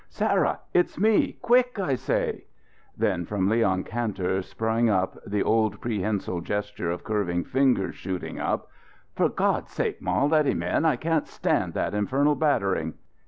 "Sarah, it's me! Quick, I say!" Then Leon Kantor sprang up, the old prehensile gesture of curving fingers shooting up. "For God's sake, ma, let him in! I can't stand that infernal battering."